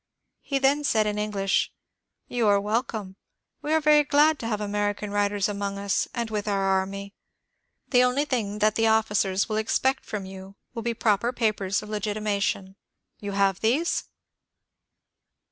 He then said in English, " You are welcome. We are very glad to have American writers among us and with our army. The only thing that the officers will expect from you will be proper papers of legitimation. You have these